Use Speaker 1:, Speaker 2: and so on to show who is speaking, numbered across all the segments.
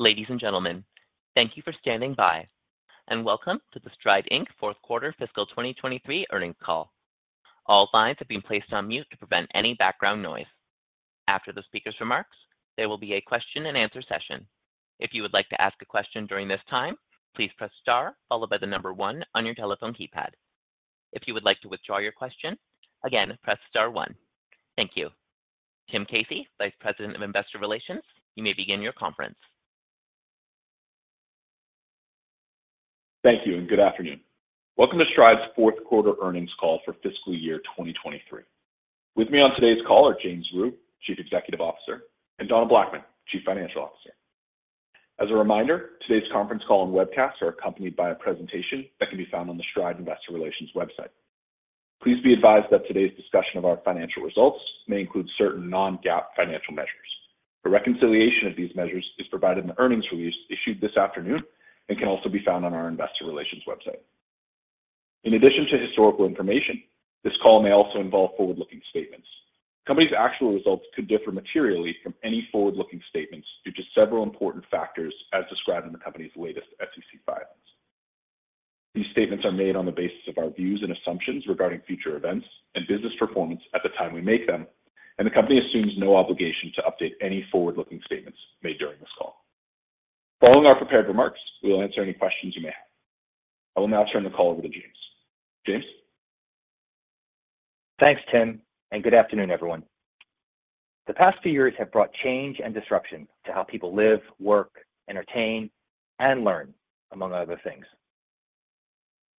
Speaker 1: Ladies and gentlemen, thank you for standing by, welcome to the Stride, Inc. fourth quarter fiscal 2023 earnings call. All lines have been placed on mute to prevent any background noise. After the speaker's remarks, there will be a question and answer session. If you would like to ask a question during this time, please press star followed by the number one on your telephone keypad. If you would like to withdraw your question, again, press star one. Thank you. Tim Casey, Vice President of Investor Relations, you may begin your conference.
Speaker 2: Thank you. Good afternoon. Welcome to Stride's fourth quarter earnings call for fiscal year 2023. With me on today's call are James Rhyu, Chief Executive Officer, and Donna Blackman, Chief Financial Officer. As a reminder, today's conference call and webcast are accompanied by a presentation that can be found on the Stride Investor Relations website. Please be advised that today's discussion of our financial results may include certain non-GAAP financial measures. The reconciliation of these measures is provided in the earnings release issued this afternoon and can also be found on our investor relations website. In addition to historical information, this call may also involve forward-looking statements. Company's actual results could differ materially from any forward-looking statements due to several important factors as described in the company's latest SEC filings. These statements are made on the basis of our views and assumptions regarding future events and business performance at the time we make them, and the company assumes no obligation to update any forward-looking statements made during this call. Following our prepared remarks, we will answer any questions you may have. I will now turn the call over to James. James?
Speaker 3: Thanks, Tim, and good afternoon, everyone. The past few years have brought change and disruption to how people live, work, entertain, and learn, among other things.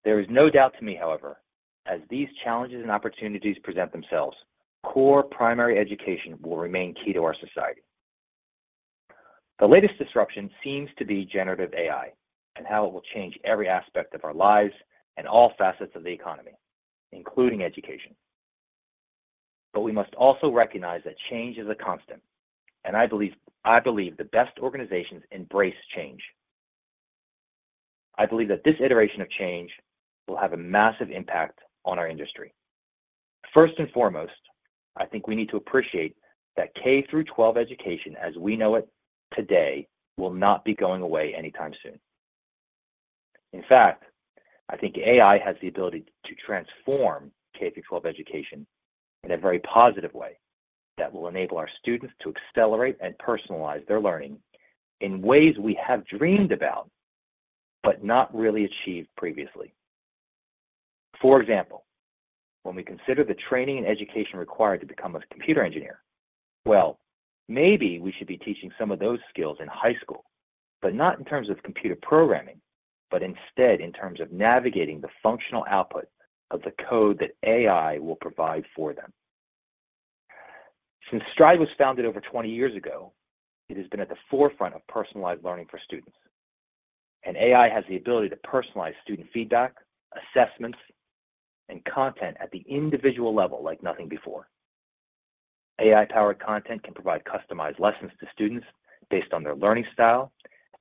Speaker 3: There is no doubt to me, however, as these challenges and opportunities present themselves, core primary education will remain key to our society. The latest disruption seems to be generative AI and how it will change every aspect of our lives and all facets of the economy, including education. We must also recognize that change is a constant, and I believe, I believe the best organizations embrace change. I believe that this iteration of change will have a massive impact on our industry. First and foremost, I think we need to appreciate that K through twelve education as we know it today, will not be going away anytime soon. In fact, I think AI has the ability to transform K-12 education in a very positive way that will enable our students to accelerate and personalize their learning in ways we have dreamed about, but not really achieved previously. For example, when we consider the training and education required to become a computer engineer, well, maybe we should be teaching some of those skills in high school, but not in terms of computer programming, but instead in terms of navigating the functional output of the code that AI will provide for them. Since Stride was founded over 20 years ago, it has been at the forefront of personalized learning for students, and AI has the ability to personalize student feedback, assessments, and content at the individual level like nothing before. AI-powered content can provide customized lessons to students based on their learning style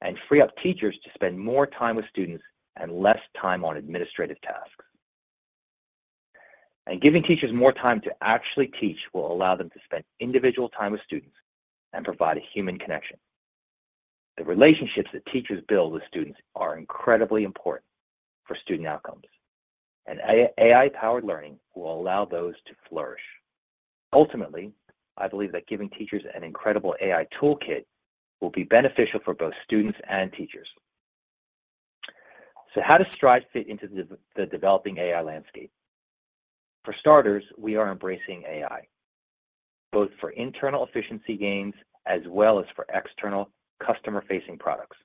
Speaker 3: and free up teachers to spend more time with students and less time on administrative tasks. Giving teachers more time to actually teach will allow them to spend individual time with students and provide a human connection. The relationships that teachers build with students are incredibly important for student outcomes, and AI-powered learning will allow those to flourish. Ultimately, I believe that giving teachers an incredible AI toolkit will be beneficial for both students and teachers. How does Stride fit into the developing AI landscape? For starters, we are embracing AI, both for internal efficiency gains as well as for external customer-facing products.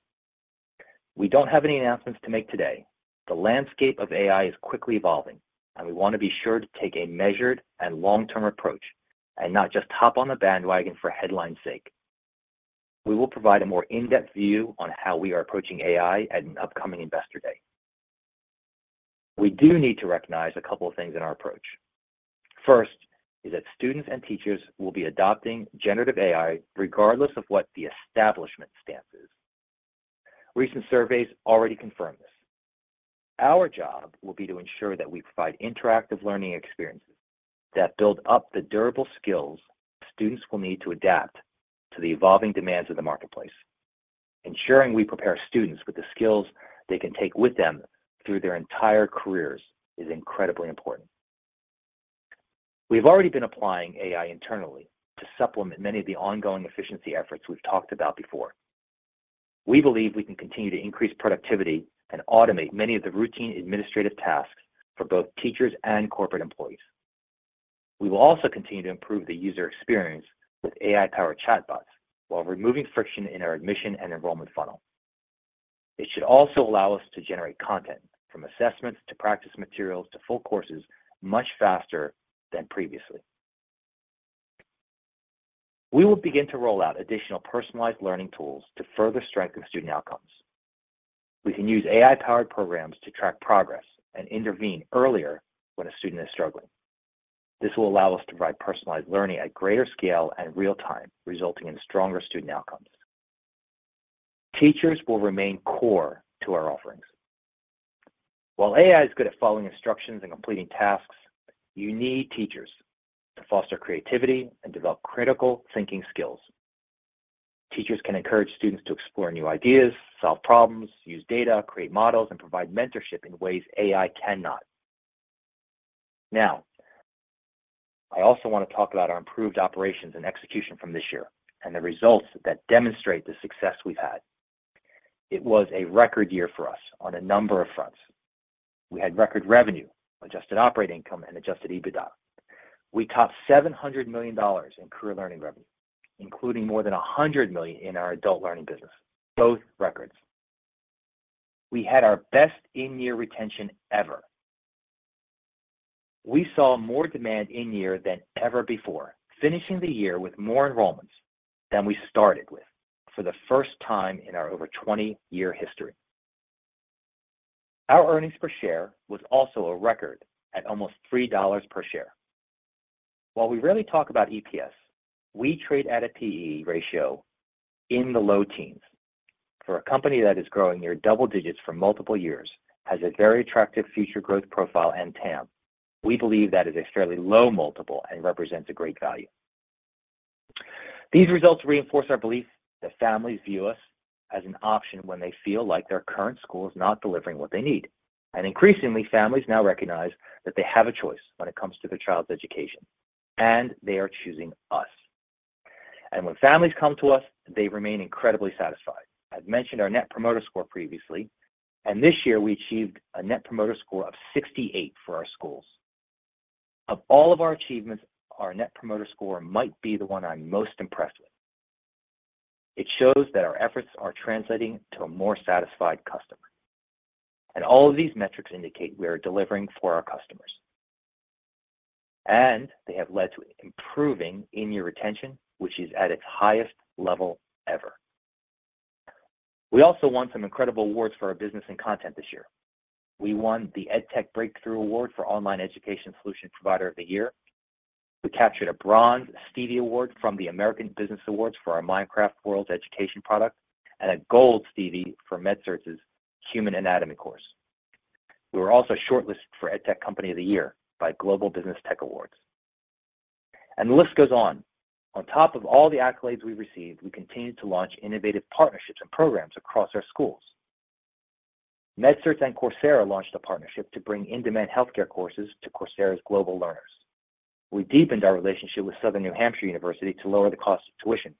Speaker 3: We don't have any announcements to make today. The landscape of AI is quickly evolving, we want to be sure to take a measured and long-term approach, and not just hop on the bandwagon for headline's sake. We will provide a more in-depth view on how we are approaching AI at an upcoming Investor Day. We do need to recognize a couple of things in our approach. First is that students and teachers will be adopting generative AI regardless of what the establishment stance is. Recent surveys already confirm this. Our job will be to ensure that we provide interactive learning experiences that build up the durable skills students will need to adapt to the evolving demands of the marketplace. Ensuring we prepare students with the skills they can take with them through their entire careers is incredibly important. We've already been applying AI internally to supplement many of the ongoing efficiency efforts we've talked about before. We believe we can continue to increase productivity and automate many of the routine administrative tasks for both teachers and corporate employees. We will also continue to improve the user experience with AI-powered chatbots while removing friction in our admission and enrollment funnel. It should also allow us to generate content, from assessments to practice materials to full courses, much faster than previously. We will begin to roll out additional personalized learning tools to further strengthen student outcomes. We can use AI-powered programs to track progress and intervene earlier when a student is struggling. This will allow us to provide personalized learning at greater scale and real-time, resulting in stronger student outcomes. Teachers will remain core to our offerings.... While AI is good at following instructions and completing tasks, you need teachers to foster creativity and develop critical thinking skills. Teachers can encourage students to explore new ideas, solve problems, use data, create models, and provide mentorship in ways AI cannot. I also want to talk about our improved operations and execution from this year and the results that demonstrate the success we've had. It was a record year for us on a number of fronts. We had record revenue, Adjusted Operating Income, and Adjusted EBITDA. We topped $700 million in Career Learning revenue, including more than $100 million in our Adult Learning business, both records. We had our best in-year retention ever. We saw more demand in year than ever before, finishing the year with more enrollments than we started with for the first time in our over 20-year history. Our earnings per share was also a record at almost $3 per share. While we rarely talk about EPS, we trade at a PE ratio in the low teens. For a company that is growing near double digits for multiple years, has a very attractive future growth profile and TAM, we believe that is a fairly low multiple and represents a great value. These results reinforce our belief that families view us as an option when they feel like their current school is not delivering what they need. Increasingly, families now recognize that they have a choice when it comes to their child's education, and they are choosing us. When families come to us, they remain incredibly satisfied. I've mentioned our Net Promoter Score previously, and this year we achieved a Net Promoter Score of 68 for our schools. Of all of our achievements, our Net Promoter Score might be the one I'm most impressed with. It shows that our efforts are translating to a more satisfied customer, and all of these metrics indicate we are delivering for our customers. They have led to improving in-year retention, which is at its highest level ever. We also won some incredible awards for our business and content this year. We won the EdTech Breakthrough Award for Online Education Solution Provider of the Year. We captured a Bronze Stevie Award from the American Business Awards for our Minecraft Worlds education product, and a Gold Stevie for MedCerts's Human Anatomy course. We were also shortlisted for EdTech Company of the Year by Global Business Tech Awards. The list goes on. On top of all the accolades we received, we continued to launch innovative partnerships and programs across our schools. MedCerts and Coursera launched a partnership to bring in-demand healthcare courses to Coursera's global learners. We deepened our relationship with Southern New Hampshire University to lower the cost of tuition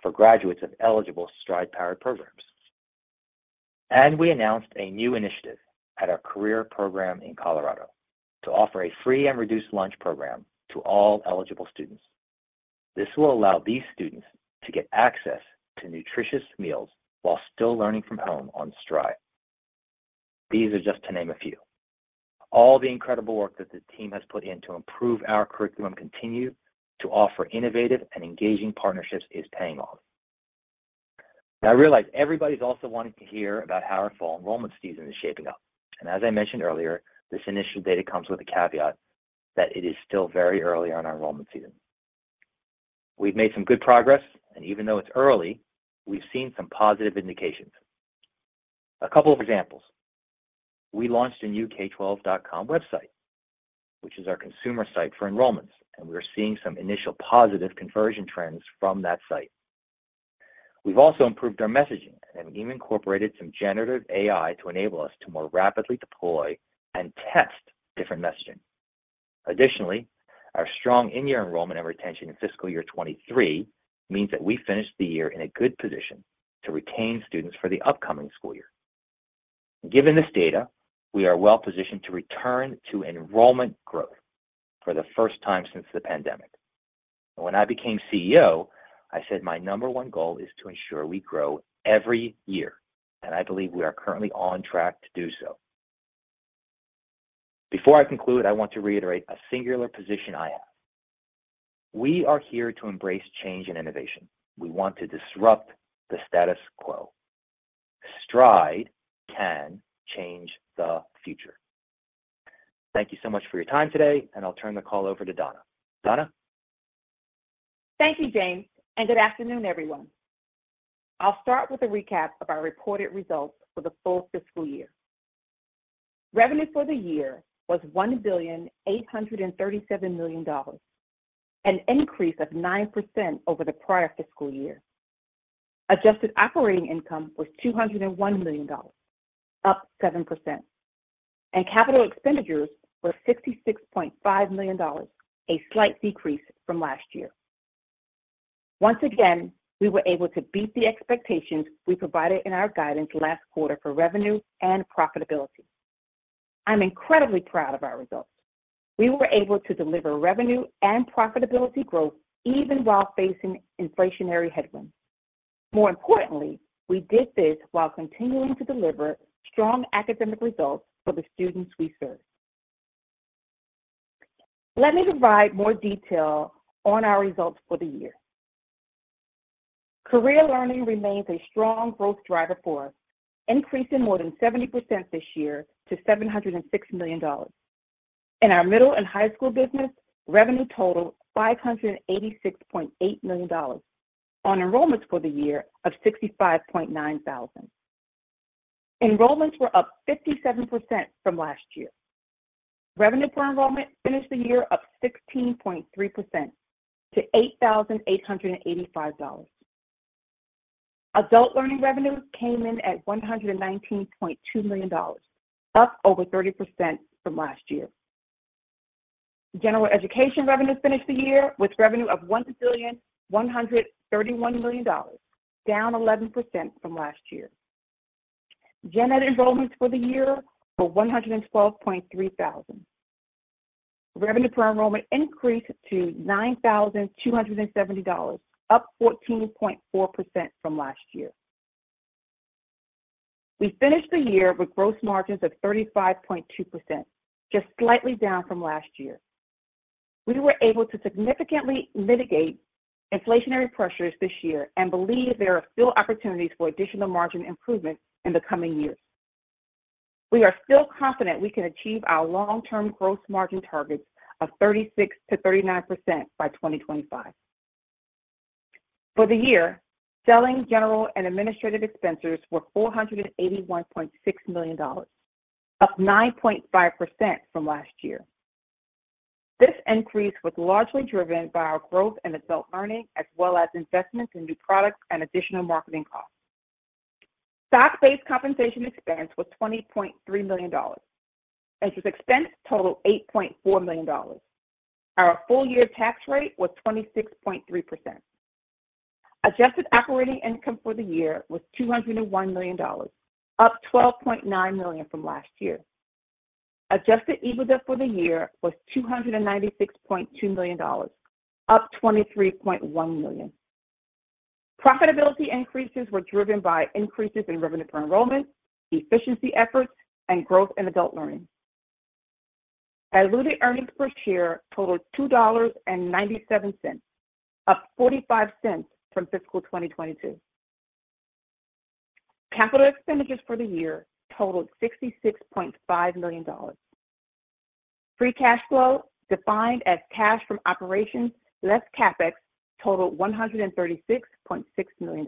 Speaker 3: for graduates of eligible Stride-powered programs. We announced a new initiative at our career program in Colorado to offer a free and reduced lunch program to all eligible students. This will allow these students to get access to nutritious meals while still learning from home on Stride. These are just to name a few. All the incredible work that the team has put in to improve our curriculum continue to offer innovative and engaging partnerships is paying off. I realize everybody's also wanting to hear about how our fall enrollment season is shaping up, and as I mentioned earlier, this initial data comes with a caveat that it is still very early in our enrollment season. We've made some good progress, and even though it's early, we've seen some positive indications. A couple of examples. We launched a new K12.com website, which is our consumer site for enrollments, and we are seeing some initial positive conversion trends from that site. We've also improved our messaging and even incorporated some generative AI to enable us to more rapidly deploy and test different messaging. Additionally, our strong in-year enrollment and retention in fiscal year 2023 means that we finished the year in a good position to retain students for the upcoming school year. Given this data, we are well positioned to return to enrollment growth for the first time since the pandemic. When I became CEO, I said my number one goal is to ensure we grow every year, and I believe we are currently on track to do so. Before I conclude, I want to reiterate a singular position I have. We are here to embrace change and innovation. We want to disrupt the status quo. Stride can change the future. Thank you so much for your time today, and I'll turn the call over to Donna. Donna?
Speaker 4: Thank you, James, and good afternoon, everyone. I'll start with a recap of our reported results for the full fiscal year. Revenue for the year was $1.837 billion, an increase of 9% over the prior fiscal year. Adjusted Operating Income was $201 million, up 7%, and capital expenditures were $66.5 million, a slight decrease from last year. Once again, we were able to beat the expectations we provided in our guidance last quarter for revenue and profitability. I'm incredibly proud of our results. We were able to deliver revenue and profitability growth even while facing inflationary headwinds. More importantly, we did this while continuing to deliver strong academic results for the students we serve. Let me provide more detail on our results for the year. Career Learning remains a strong growth driver for us, increasing more than 70% this year to $706 million. In our Middle and High School business, revenue totaled $586.8 million on enrollments for the year of 65.9 thousand. Enrollments were up 57% from last year. Revenue per enrollment finished the year up 16.3% to $8,885. Adult Learning revenue came in at $119.2 million, up over 30% from last year. General Education revenue finished the year with revenue of $1.131 billion, down 11% from last year. Gen Ed enrollments for the year were 112.3 thousand. Revenue per enrollment increased to $9,270, up 14.4% from last year. We finished the year with gross margins of 35.2%, just slightly down from last year. We were able to significantly mitigate inflationary pressures this year and believe there are still opportunities for additional margin improvement in the coming years. We are still confident we can achieve our long-term gross margin targets of 36%-39% by 2025. For the year, selling general and administrative expenses were $481.6 million, up 9.5% from last year. This increase was largely driven by our growth in Adult Learning, as well as investments in new products and additional marketing costs. Stock-based compensation expense was $20.3 million, interest expense totaled $8.4 million. Our full year tax rate was 26.3%. Adjusted Operating Income for the year was $201 million, up $12.9 million from last year. Adjusted EBITDA for the year was $296.2 million, up $23.1 million. Profitability increases were driven by increases in revenue per enrollment, efficiency efforts, and growth in Adult Learning. Diluted earnings per share totaled $2.97, up $0.45 from fiscal 2022. Capital expenditures for the year totaled $66.5 million. Free cash flow, defined as cash from operations less CapEx, totaled $136.6 million.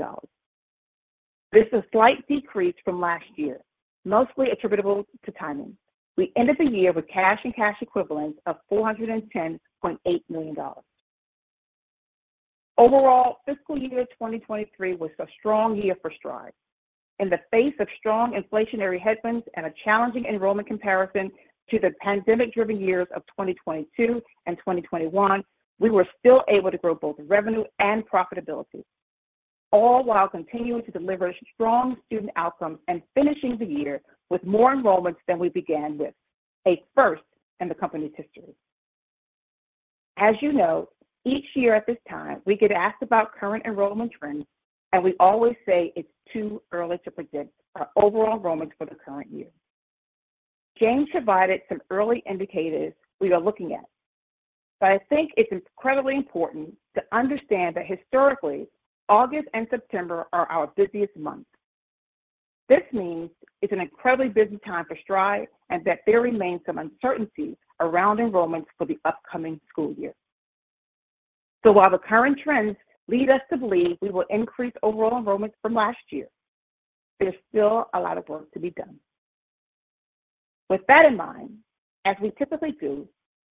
Speaker 4: This is a slight decrease from last year, mostly attributable to timing. We ended the year with cash and cash equivalents of $410.8 million. Overall, fiscal year 2023 was a strong year for Stride. In the face of strong inflationary headwinds and a challenging enrollment comparison to the pandemic-driven years of 2022 and 2021, we were still able to grow both revenue and profitability, all while continuing to deliver strong student outcomes and finishing the year with more enrollments than we began with, a first in the company's history. As you know, each year at this time, we get asked about current enrollment trends. We always say it's too early to predict our overall enrollments for the current year. James provided some early indicators we are looking at. I think it's incredibly important to understand that historically, August and September are our busiest months. This means it's an incredibly busy time for Stride and that there remains some uncertainty around enrollments for the upcoming school year. While the current trends lead us to believe we will increase overall enrollments from last year, there's still a lot of work to be done. With that in mind, as we typically do,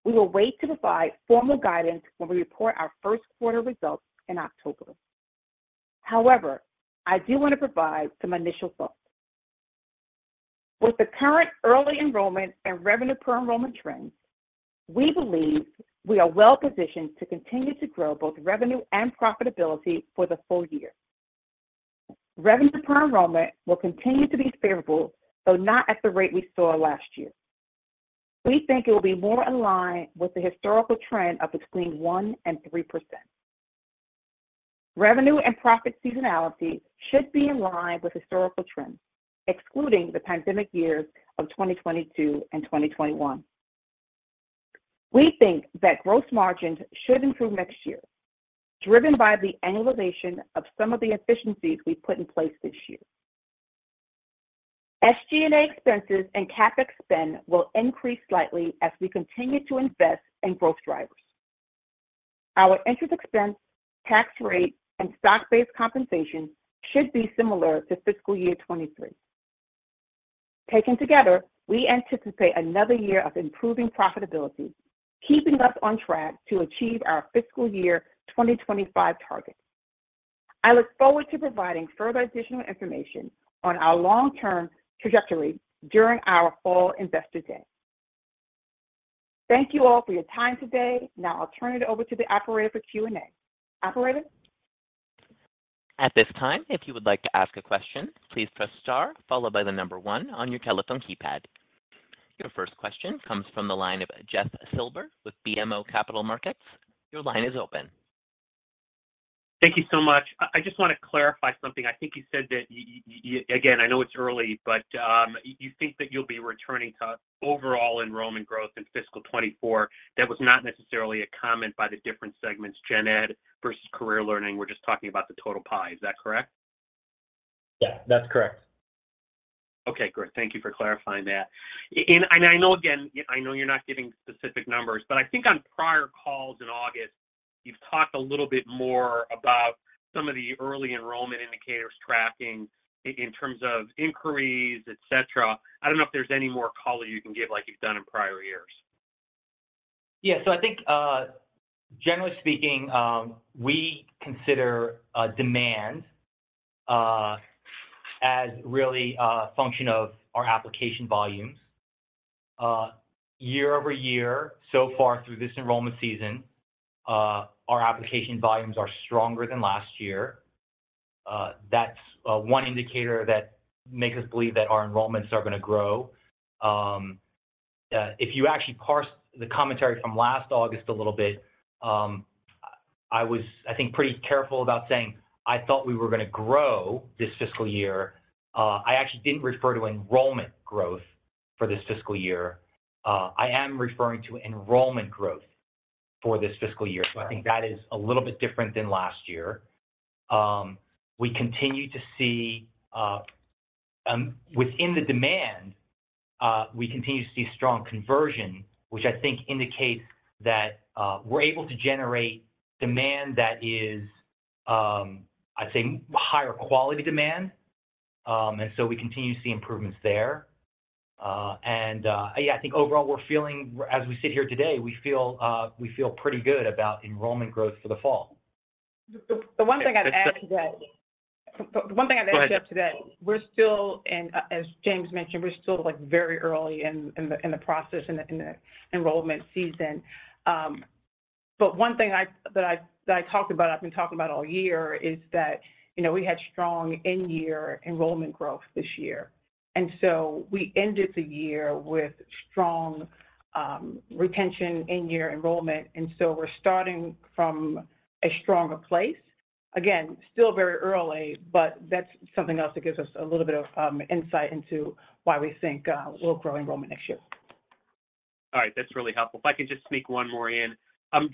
Speaker 4: we will wait to provide formal guidance when we report our first quarter results in October. However, I do want to provide some initial thoughts. With the current early enrollment and revenue per enrollment trends, we believe we are well positioned to continue to grow both revenue and profitability for the full year. Revenue per enrollment will continue to be favorable, though not at the rate we saw last year. We think it will be more aligned with the historical trend of between 1% and 3%. Revenue and profit seasonality should be in line with historical trends, excluding the pandemic years of 2022 and 2021. We think that gross margins should improve next year, driven by the annualization of some of the efficiencies we put in place this year. SG&A expenses and CapEx spend will increase slightly as we continue to invest in growth drivers. Our interest expense, tax rate, and stock-based compensation should be similar to fiscal year 2023. Taken together, we anticipate another year of improving profitability, keeping us on track to achieve our fiscal year 2025 targets. I look forward to providing further additional information on our long-term trajectory during our fall Investor Day. Thank you all for your time today. Now I'll turn it over to the operator for Q&A. Operator?
Speaker 1: At this time, if you would like to ask a question, please press star followed by one on your telephone keypad. Your first question comes from the line of Jeff Silber with BMO Capital Markets. Your line is open.
Speaker 5: Thank you so much. I, I just want to clarify something. I think you said that again, I know it's early, but you think that you'll be returning to overall enrollment growth in fiscal 2024. That was not necessarily a comment by the different segments, Gen Ed versus Career Learning. We're just talking about the total pie. Is that correct?
Speaker 3: Yeah, that's correct.
Speaker 5: Okay, great. Thank you for clarifying that. I know, again, I know you're not giving specific numbers, but I think on prior calls in August, you've talked a little bit more about some of the early enrollment indicators tracking in terms of inquiries, etc. I don't know if there's any more color you can give like you've done in prior years.
Speaker 3: Yeah. I think, generally speaking, we consider demand as really a function of our application volumes. Year-over-year, so far through this enrollment season, our application volumes are stronger than last year. That's one indicator that makes us believe that our enrollments are gonna grow. If you actually parse the commentary from last August a little bit, I was, I think, pretty careful about saying I thought we were gonna grow this fiscal year. I actually didn't refer to enrollment growth for this fiscal year. I am referring to enrollment growth for this fiscal year, so I think that is a little bit different than last year. We continue to see, within the demand, we continue to see strong conversion, which I think indicates that we're able to generate demand that is, I'd say, higher quality demand. So we continue to see improvements there. Yeah, I think overall, we're feeling, as we sit here today, we feel pretty good about enrollment growth for the fall.
Speaker 4: The one thing I'd add to that.
Speaker 5: Go ahead.
Speaker 4: We're still, and as James mentioned, we're still, like, very early in the process, in the enrollment season. One thing that I talked about, I've been talking about all year is that, you know, we had strong end-year enrollment growth this year, we ended the year with strong retention in year enrollment, we're starting from a stronger place. Again, still very early, but that's something else that gives us a little bit of insight into why we think we'll grow enrollment next year.
Speaker 5: All right. That's really helpful. If I could just sneak one more in.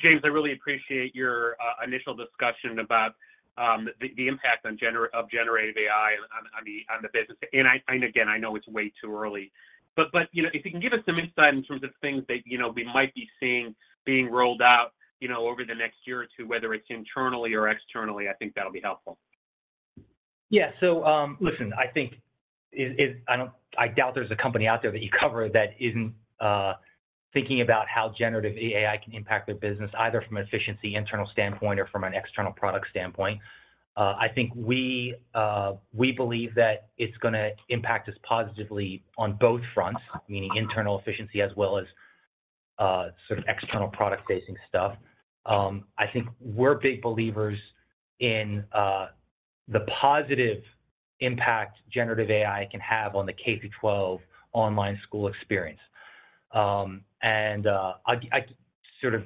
Speaker 5: James, I really appreciate your initial discussion about the, the impact on generative AI on, on the, on the business. I, and again, I know it's way too early, but, but, you know, if you can give us some insight in terms of things that, you know, we might be seeing being rolled out, you know, over the next year or two, whether it's internally or externally, I think that'll be helpful.
Speaker 3: Yeah. Listen, I doubt there's a company out there that you cover that isn't thinking about how generative AI can impact their business, either from an efficiency, internal standpoint or from an external product standpoint. I think we believe that it's gonna impact us positively on both fronts, meaning internal efficiency as well as sort of external product-facing stuff. I think we're big believers in the positive impact generative AI can have on the K-12 online school experience. I sort of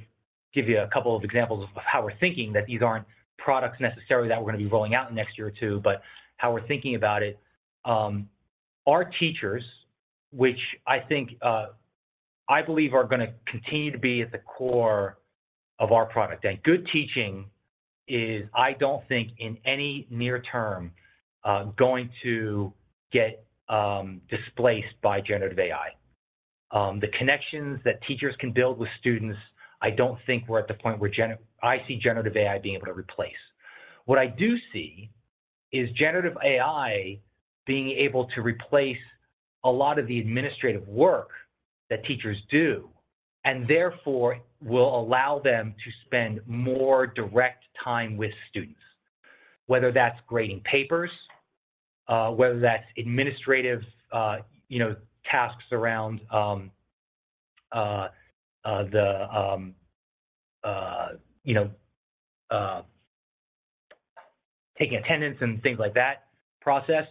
Speaker 3: give you a couple of examples of how we're thinking that these aren't products necessarily that we're gonna be rolling out in the next year or two, but how we're thinking about it. Our teachers, which I think, I believe, are gonna continue to be at the core of our product, and good teaching is, I don't think in any near term, going to get displaced by generative AI. The connections that teachers can build with students, I don't think we're at the point where I see generative AI being able to replace. What I do see is generative AI being able to replace a lot of the administrative work that teachers do, and therefore, will allow them to spend more direct time with students, whether that's grading papers, whether that's administrative, you know, tasks around the, you know, taking attendance and things like that process.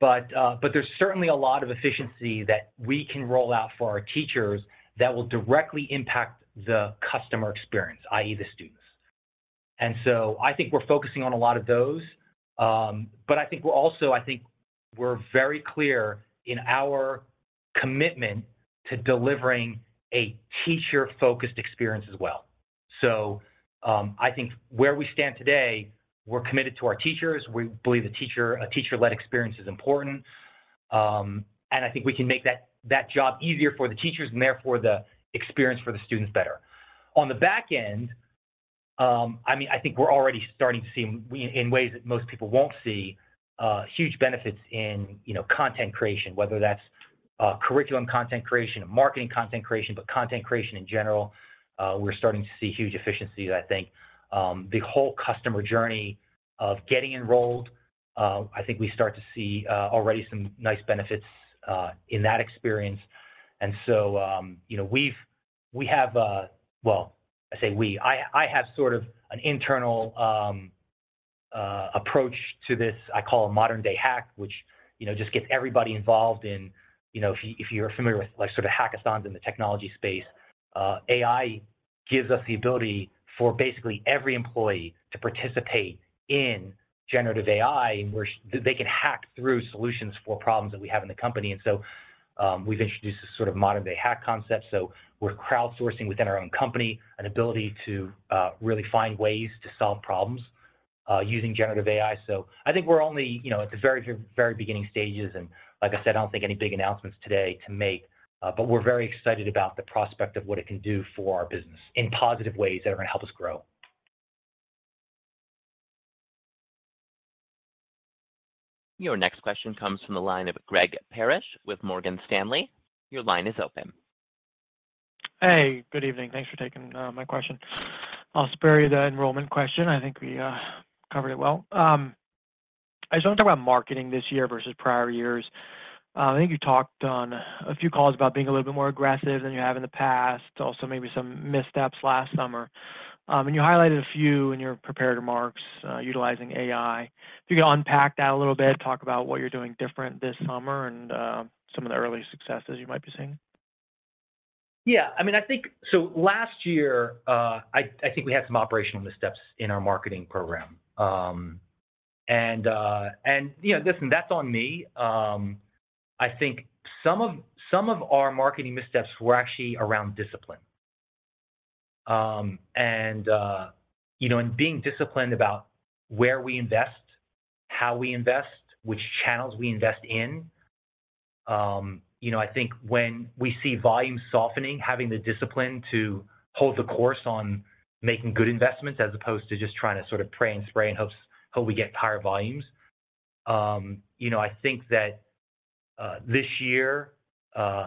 Speaker 3: There's certainly a lot of efficiency that we can roll out for our teachers that will directly impact the customer experience, i.e., the students. I think we're focusing on a lot of those, but I think we're also... I think we're very clear in our commitment to delivering a teacher-focused experience as well. I think where we stand today, we're committed to our teachers. We believe the teacher, a teacher-led experience is important, and I think we can make that, that job easier for the teachers, and therefore, the experience for the students better. On the back end, I mean, I think we're already starting to see, in ways that most people won't see, huge benefits in, you know, content creation, whether that's curriculum content creation or marketing content creation, but content creation in general, we're starting to see huge efficiencies. I think, the whole customer journey of getting enrolled, I think we start to see already some nice benefits in that experience. You know, we have. Well, I say we, I have sort of an internal approach to this. I call it modern day hack, which, you know, just gets everybody involved in, you know, if you, if you're familiar with like, sort of hackathons in the technology space, AI gives us the ability for basically every employee to participate in generative AI, where they can hack through solutions for problems that we have in the company. We've introduced a sort of modern-day hack concept. We're crowdsourcing within our own company, an ability to really find ways to solve problems using generative AI. I think we're only, you know, at the very, very beginning stages, and like I said, I don't think any big announcements today to make, but we're very excited about the prospect of what it can do for our business in positive ways that are going to help us grow.
Speaker 1: Your next question comes from the line of Greg Parrish with Morgan Stanley. Your line is open.
Speaker 6: Hey, good evening. Thanks for taking my question. I'll spare you the enrollment question. I think we covered it well. I just want to talk about marketing this year versus prior years. I think you talked on a few calls about being a little bit more aggressive than you have in the past, also maybe some missteps last summer. You highlighted a few in your prepared remarks, utilizing AI. If you could unpack that a little bit, talk about what you're doing different this summer and some of the early successes you might be seeing.
Speaker 3: Yeah, I mean, I think last year, I think we had some operational missteps in our marketing program. You know, listen, that's on me. I think some of our marketing missteps were actually around discipline. You know, being disciplined about where we invest, how we invest, which channels we invest in. You know, I think when we see volume softening, having the discipline to hold the course on making good investments, as opposed to just trying to sort of pray and spray and hope we get higher volumes. You know, I think that this year,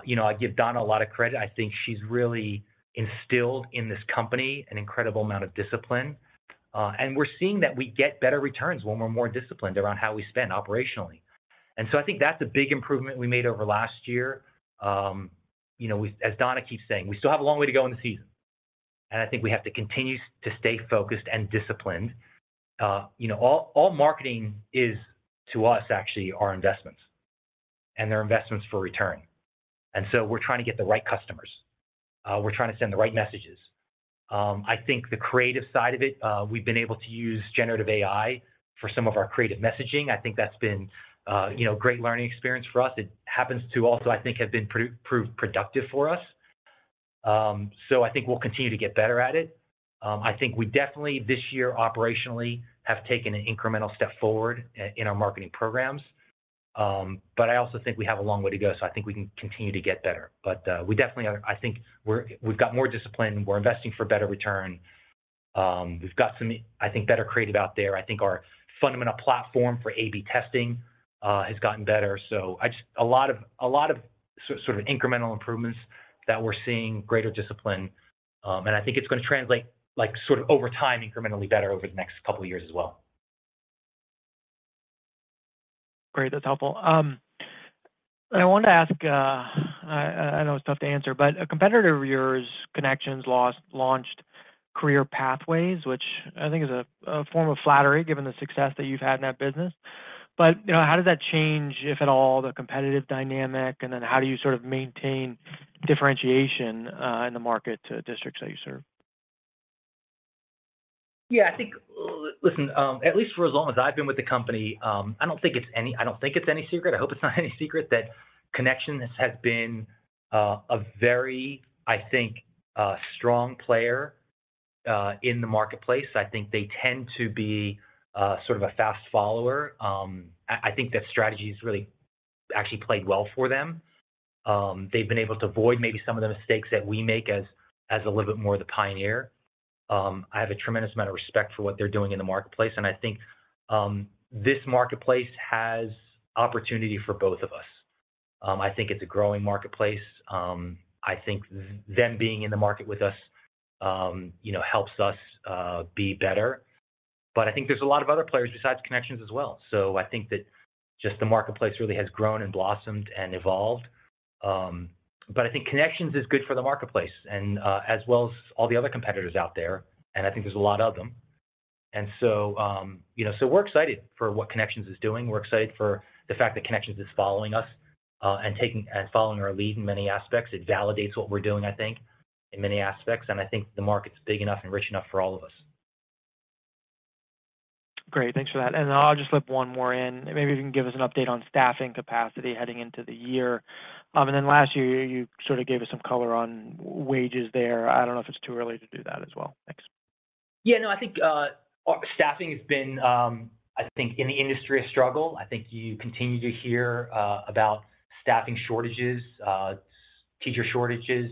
Speaker 3: you know, I give Donna a lot of credit. I think she's really instilled in this company an incredible amount of discipline, and we're seeing that we get better returns when we're more disciplined around how we spend operationally. I think that's a big improvement we made over last year. You know, as Donna keeps saying, we still have a long way to go in the season, and I think we have to continue to stay focused and disciplined. You know, all, all marketing is, to us, actually, are investments, and they're investments for return. We're trying to get the right customers. We're trying to send the right messages. I think the creative side of it, we've been able to use generative AI for some of our creative messaging. I think that's been, you know, great learning experience for us. It happens to also, I think, have been proved productive for us. I think we'll continue to get better at it. I think we definitely, this year, operationally, have taken an incremental step forward in our marketing programs. I also think we have a long way to go, so I think we can continue to get better. We definitely are. I think we've got more discipline, we're investing for better return. We've got some, I think, better creative out there. I think our fundamental platform for A/B testing has gotten better. I just, a lot of, a lot of sort of incremental improvements, that we're seeing greater discipline. I think it's going to translate, like, sort of over time, incrementally better over the next couple of years as well.
Speaker 6: Great, that's helpful. I wanted to ask, I, I know it's tough to answer, but a competitor of yours, Connections Academy, launched Career Pathways, which I think is a, a form of flattery, given the success that you've had in that business. You know, how does that change, if at all, the competitive dynamic, and then how do you sort of maintain differentiation in the market to districts that you serve?
Speaker 3: Yeah, I think, l-listen, at least for as long as I've been with the company, I don't think it's any secret, I hope it's not any secret, that Connections has been a very, I think, strong player in the marketplace. I think they tend to be sort of a fast follower. I, I think that strategy has really actually played well for them. They've been able to avoid maybe some of the mistakes that we make as, as a little bit more the pioneer. I have a tremendous amount of respect for what they're doing in the marketplace, and I think, this marketplace has opportunity for both of us. I think it's a growing marketplace. I think th-them being in the market with us, you know, helps us be better. I think there's a lot of other players besides Connections as well. I think that just the marketplace really has grown and blossomed and evolved. But I think Connections is good for the marketplace and, as well as all the other competitors out there, and I think there's a lot of them. So, you know, so we're excited for what Connections is doing. We're excited for the fact that Connections is following us, and following our lead in many aspects. It validates what we're doing, I think, in many aspects, and I think the market's big enough and rich enough for all of us.
Speaker 6: Great, thanks for that. I'll just slip one more in. Maybe you can give us an update on staffing capacity heading into the year. Last year, you sort of gave us some color on wages there. I don't know if it's too early to do that as well. Thanks.
Speaker 3: Yeah, no, I think staffing has been, I think in the industry, a struggle. I think you continue to hear about staffing shortages, teacher shortages.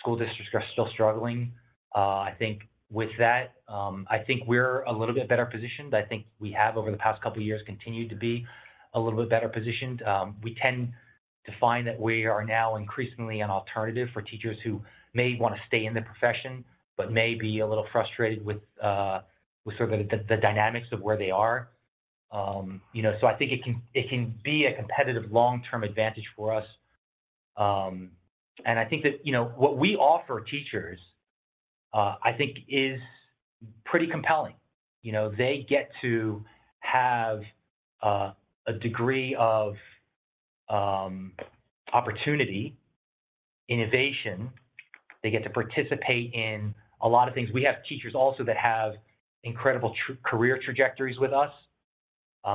Speaker 3: School districts are still struggling. I think with that, I think we're a little bit better positioned. I think we have, over the past couple of years, continued to be a little bit better positioned. We tend to find that we are now increasingly an alternative for teachers who may want to stay in the profession, but may be a little frustrated with, with sort of the, the dynamics of where they are. You know, so I think it can, it can be a competitive long-term advantage for us. And I think that, you know, what we offer teachers, I think is pretty compelling. You know, they get to have a degree of innovation. They get to participate in a lot of things. We have teachers also that have incredible career trajectories with us.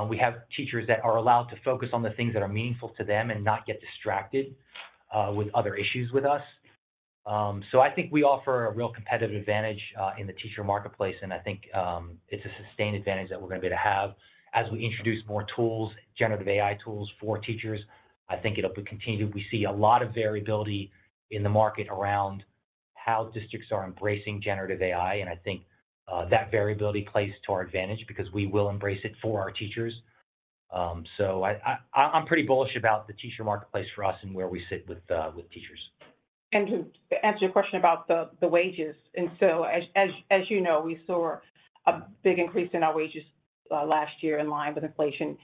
Speaker 3: We have teachers that are allowed to focus on the things that are meaningful to them and not get distracted with other issues with us. I think we offer a real competitive advantage in the teacher marketplace, and I think it's a sustained advantage that we're gonna be to have. As we introduce more tools, generative AI tools for teachers, I think it'll be continued. We see a lot of variability in the market around how districts are embracing generative AI, and I think that variability plays to our advantage because we will embrace it for our teachers. I, I, I'm pretty bullish about the teacher marketplace for us and where we sit with, with teachers.
Speaker 4: To answer your question about the, the wages, as you know, we saw a big increase in our wages last year in line with inflation,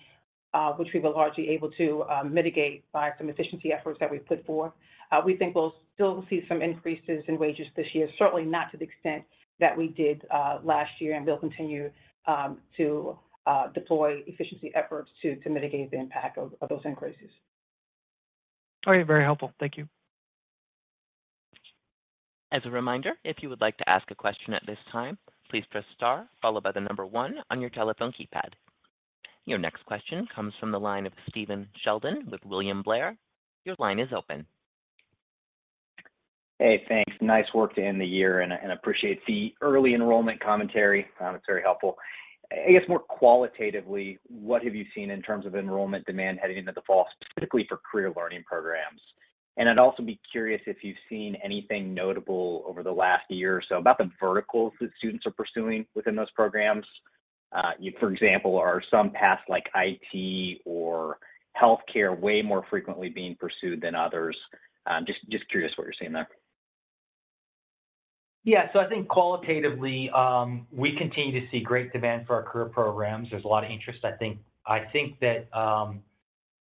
Speaker 4: which we were largely able to mitigate by some efficiency efforts that we put forth. We think we'll still see some increases in wages this year, certainly not to the extent that we did last year, and we'll continue to deploy efficiency efforts to mitigate the impact of those increases.
Speaker 6: All right, very helpful. Thank you.
Speaker 1: As a reminder, if you would like to ask a question at this time, please press star followed by the number one on your telephone keypad. Your next question comes from the line of Stephen Sheldon with William Blair. Your line is open.
Speaker 7: Hey, thanks. Nice work to end the year and, and appreciate the early enrollment commentary. It's very helpful. I guess, more qualitatively, what have you seen in terms of enrollment demand heading into the fall, specifically for Career Learning programs? I'd also be curious if you've seen anything notable over the last year or so about the verticals that students are pursuing within those programs. You, for example, are some paths like IT or healthcare way more frequently being pursued than others? Just, just curious what you're seeing there.
Speaker 3: I think qualitatively, we continue to see great demand for our career programs. There's a lot of interest. I think, I think that,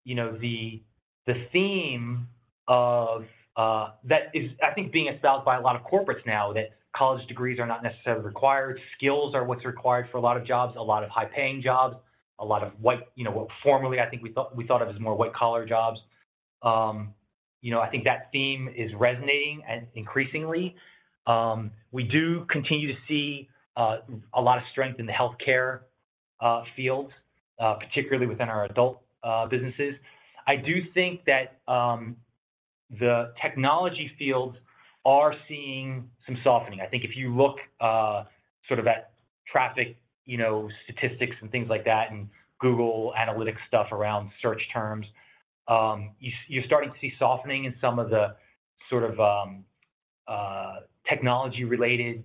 Speaker 3: you know, the, the theme of that is, I think being espoused by a lot of corporates now, that college degrees are not necessarily required. Skills are what's required for a lot of jobs, a lot of high-paying jobs, a lot of what, you know, what formerly, I think we thought, we thought of as more white-collar jobs. You know, I think that theme is resonating, and increasingly, we do continue to see a lot of strength in the healthcare field, particularly within our adult businesses. I do think that the technology fields are seeing some softening. I think if you look, sort of at traffic, you know, statistics and things like that, and Google Analytics stuff around search terms, you're starting to see softening in some of the sort of, technology-related,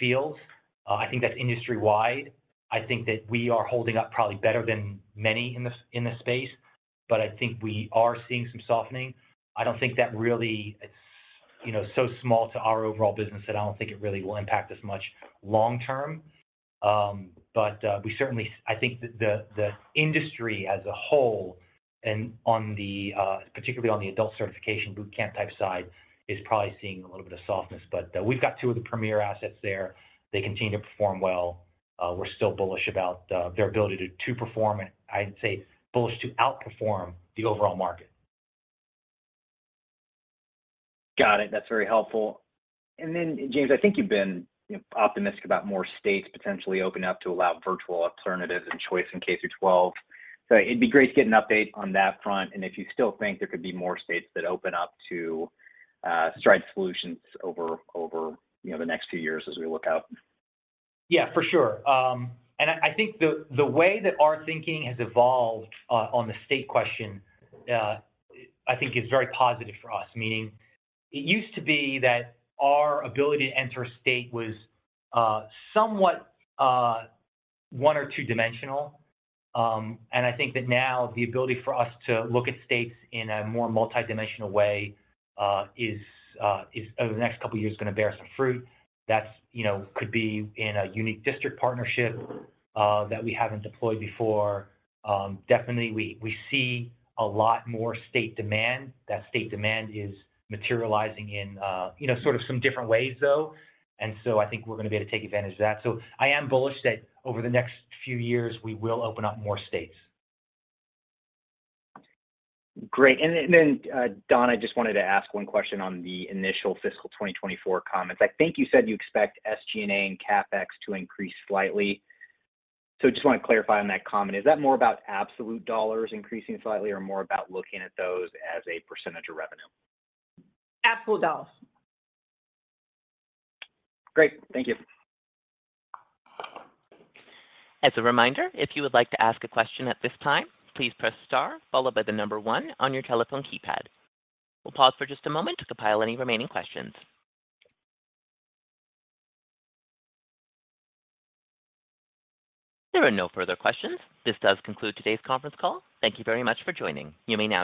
Speaker 3: fields. I think that's industry-wide. I think that we are holding up probably better than many in the, in the space, but I think we are seeing some softening. I don't think that really, it's, you know, so small to our overall business that I don't think it really will impact us much long term. We certainly, I think the, the, the industry as a whole and on the, particularly on the adult certification boot camp type side, is probably seeing a little bit of softness, but we've got two of the premier assets there. They continue to perform well. We're still bullish about their ability to perform, and I'd say bullish to outperform the overall market.
Speaker 7: Got it. That's very helpful. James, I think you've been, you know, optimistic about more states potentially opening up to allow virtual alternatives and choice in K-12. It'd be great to get an update on that front, and if you still think there could be more states that open up to Stride solutions over, over, you know, the next few years as we look out.
Speaker 3: Yeah, for sure. I, I think the, the way that our thinking has evolved, on the state question, I think is very positive for us. Meaning it used to be that our ability to enter a state was, somewhat, one or two-dimensional. I think that now the ability for us to look at states in a more multidimensional way, is, over the next couple of years, gonna bear some fruit. That's, you know, could be in a unique district partnership, that we haven't deployed before. Definitely, we, we see a lot more state demand. That state demand is materializing in, you know, sort of some different ways, though, and so I think we're gonna be able to take advantage of that. I am bullish that over the next few years, we will open up more states.
Speaker 7: Great. Then, then, Don, I just wanted to ask one question on the initial fiscal 2024 comments. I think you said you expect SG&A and CapEx to increase slightly. Just want to clarify on that comment, is that more about absolute dollars increasing slightly or more about looking at those as a percentage of revenue?
Speaker 4: Absolute dollars.
Speaker 7: Great. Thank you.
Speaker 1: As a reminder, if you would like to ask a question at this time, please press star followed by the number one on your telephone keypad. We'll pause for just a moment to compile any remaining questions. There are no further questions. This does conclude today's conference call. Thank you very much for joining. You may now.